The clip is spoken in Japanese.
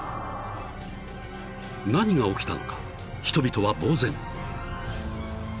［何が起きたのか人々はぼう然］